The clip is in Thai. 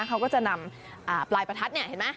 เขาก็จะนำปลายประทัดเนี่ยเห็นไหม